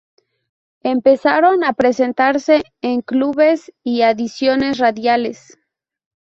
Empezaron a presentarse en clubes y audiciones radiales.